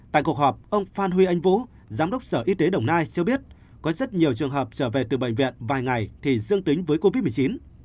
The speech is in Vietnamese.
tại cuộc họp ông phan huy anh vũ giám đốc sở y tế đồng nai cho biết có rất nhiều trường hợp trở về từ bệnh viện vài ngày thì dương tính với covid một mươi chín